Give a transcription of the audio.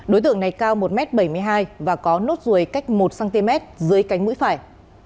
đối tượng này cao một m bảy mươi hai và có nốt ruồi cách một cm dưới cánh mũi phải